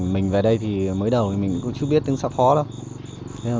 mình về đây thì mới đầu mình cũng chưa biết tiếng xá phó lắm